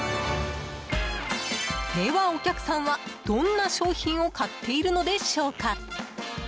では、お客さんはどんな商品を買っているのでしょうか？